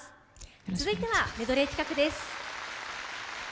それではメドレー企画です。